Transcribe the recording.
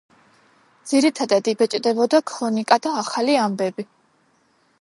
ძირითადად იბეჭდებოდა ქრონიკა და ახალი ამბები.